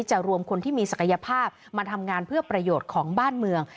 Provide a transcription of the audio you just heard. รวมคนที่มีศักยภาพมาทำงานเพื่อประโยชน์ของบ้านเมือง